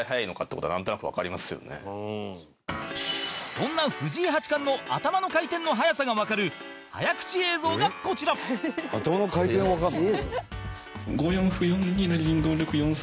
そんな藤井八冠の頭の回転の速さがわかる早口映像が、こちら伊達：頭の回転がわかるの？